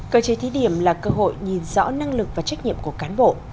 cơ chế thí điểm là cơ hội nhìn rõ năng lực và trách nhiệm của cán bộ